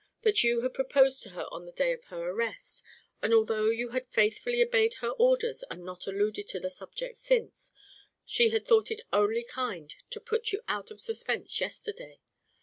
that you had proposed to her on the day of her arrest, and although you had faithfully obeyed her orders and not alluded to the subject since, she had thought it only kind to put you out of suspense yesterday.